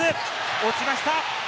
落ちました。